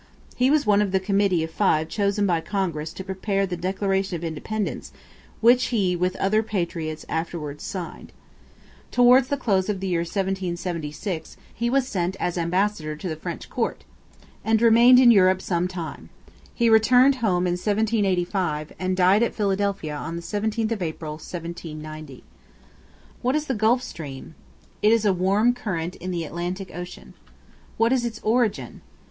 He was one of the committee of five chosen by Congress to prepare the "Declaration of Independence" which he with other patriots afterwards signed. Towards the close of the year 1776 he was sent as ambassador to the French Court, and remained in Europe some time. He returned home in 1785, and died at Philadelphia on the 17th of April, 1790. What is the Gulf Stream? It is a warm current in the Atlantic Ocean. What is its origin?